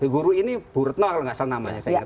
guru ini bu retno kalau nggak salah namanya